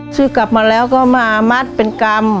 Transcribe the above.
ซื้อกลับมาแล้วก็มามัดเป็นกรรม